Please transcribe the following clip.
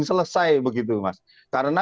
selesai begitu mas karena